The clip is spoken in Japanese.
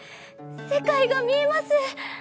世界が見えます。